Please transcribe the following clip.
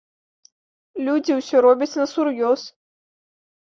Людзі ўсё робяць насур'ёз.